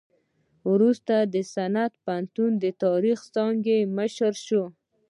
وروسته د سند پوهنتون د تاریخ څانګې مشر شو.